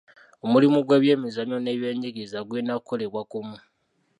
Omulimu gw'ebyemizannyo n'ebyenjigiriza gulina kukolebwa kumu.